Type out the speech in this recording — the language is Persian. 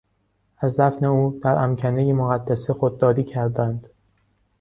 از دفن او در امکنهی مقدسه خودداری کردند.